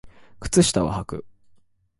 靴下をはく